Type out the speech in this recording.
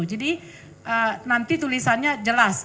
jadi nanti tulisannya jelas